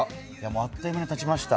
あっという間にたちました。